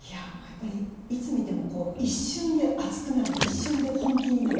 いつ見ても一瞬で熱くなる一瞬で本気になる。